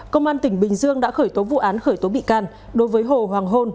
công an tỉnh bình dương đã khởi tố vụ án khởi tố bị can đối với hồ hoàng hôn